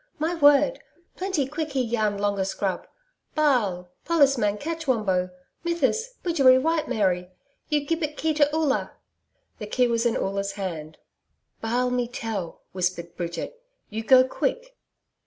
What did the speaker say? My word! plenty quick he YAN long a scrub. BA AL pollis man catch Wombo. Mithsis BUJERI White Mary! You gib it key to Oola.' The key was in Oola's hand. 'BA AL me tell,' whispered Bridget. 'You go quick.'